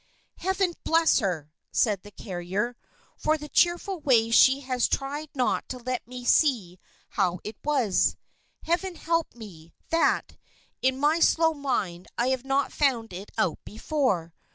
"Heaven bless her!" said the carrier, "for the cheerful way she has tried not to let me see how it was! Heaven help me, that, in my slow mind I have not found it out before.